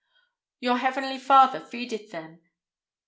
"Your heavenly Father feedeth them."